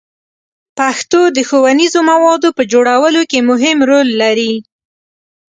پښتو د ښوونیزو موادو په جوړولو کې مهم رول لري.